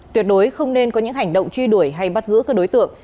tuyệt đối không nên có những hành động truy đuổi hay bắt giữ các đối tượng